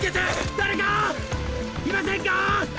誰か居ませんか！